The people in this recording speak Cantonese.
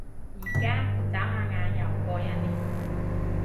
而家？眨下眼又過一年